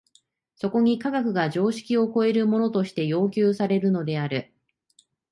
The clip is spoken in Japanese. そこに科学が常識を超えるものとして要求されるのである。